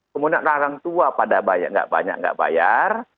kemudian orang tua pada banyak nggak banyak nggak bayar